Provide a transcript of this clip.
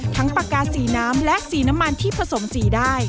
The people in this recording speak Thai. ปากกาสีน้ำและสีน้ำมันที่ผสมสีได้